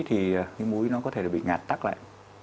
thì cái muối nó có thể bị ngạt tắc lại